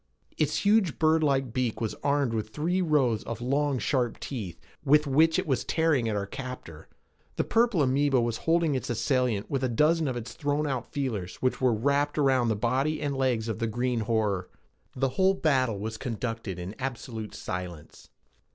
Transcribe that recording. Its huge birdlike beak was armed with three rows of long sharp teeth with which it was tearing at our captor. The purple amoeba was holding its assailant with a dozen of its thrown out feelers which were wrapped about the body and legs of the green horror. The whole battle was conducted in absolute silence.